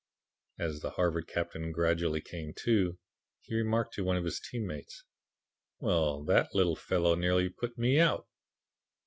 As the Harvard captain gradually came to, he remarked to one of his team mates: "'Well, that little fellow nearly put me out!'